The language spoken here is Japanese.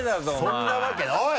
そんなわけおい！